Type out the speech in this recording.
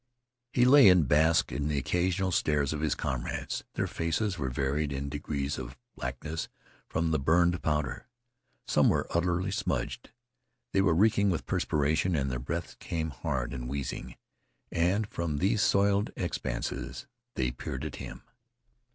He lay and basked in the occasional stares of his comrades. Their faces were varied in degrees of blackness from the burned powder. Some were utterly smudged. They were reeking with perspiration, and their breaths came hard and wheezing. And from these soiled expanses they peered at him.